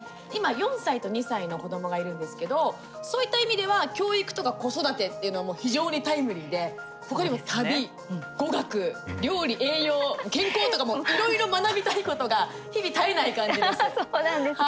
おもしろさっていうのをすごく感じてまして今、４歳と２歳の子どもがいるんですけれどそういった意味では教育とか子育てっていうのは非常にタイムリーで他にも旅、語学、料理、栄養健康とかもいろいろ学びたいことがそうなんですね。